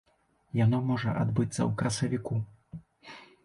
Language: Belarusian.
Яно можа адбыцца ў красавіку.